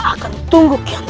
kita akan tunggu kiam santam